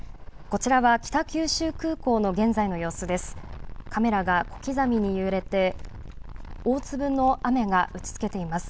こちらは北九州空港の現在の様子です。